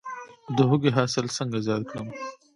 د هوږې حاصل څنګه زیات کړم؟